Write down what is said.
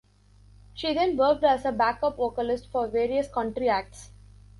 She then worked as a backup vocalist for various country acts.